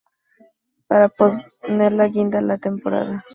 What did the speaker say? Y para poner la guinda a la temporada.